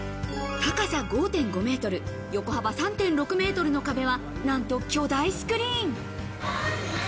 高さ５．５メートル、横幅３．６メートルの壁は、なんと巨大スクリーン。